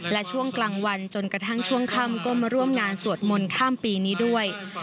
และช่วงกลางวันจนกระทั่งช่วงค่ำก็มาร่วมงานสวดมนต์ข้ามปีนี้ด้วย